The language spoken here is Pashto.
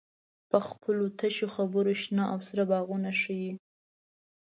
په خپلو تشو خبرو شنه او سره باغونه ښیې.